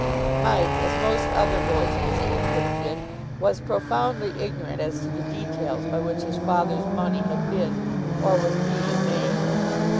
Mike, as most other boys of his age would have been, was profoundly ignorant as to the details by which his father's money had been, or was being, made.